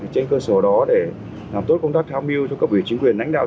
trên cơ sở đó để làm tốt công tác tháo mưu cho cấp ủy chính quyền đánh đạo